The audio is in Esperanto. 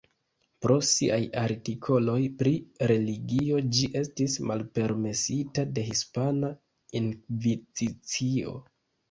Pro siaj artikoloj pri religio ĝi estis malpermesita de Hispana Inkvizicio.